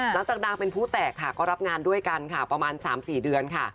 นางเป็นผู้แตกค่ะก็รับงานด้วยกันค่ะประมาณ๓๔เดือนค่ะ